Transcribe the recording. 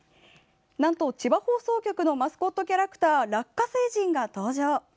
なんと千葉放送局のマスコットキャラクターラッカ星人が登場！